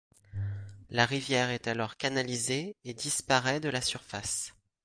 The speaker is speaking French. La rivière est alors canalisée et disparaît de la surface.